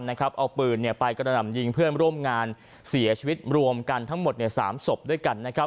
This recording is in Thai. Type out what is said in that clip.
เอาปืนไปกระหน่ำยิงเพื่อนร่วมงานเสียชีวิตรวมกันทั้งหมด๓ศพด้วยกัน